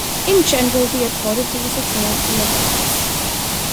In general the authorities ignored the attacks.